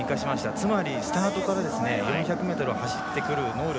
つまりスタートから４００ｍを走ってくる能力。